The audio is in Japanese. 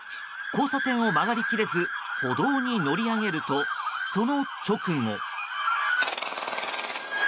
交差点を曲がり切れず歩道に乗り上げるとその直後。